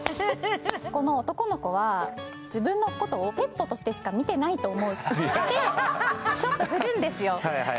この男の子は自分のことをペットとしてしか見てないといってちょっと照れるんですよ。